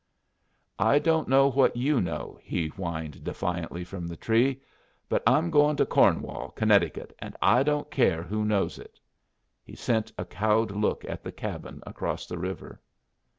"I don't know what you know," he whined defiantly from the tree, "but I'm goin' to Cornwall, Connecticut, and I don't care who knows it." He sent a cowed look at the cabin across the river.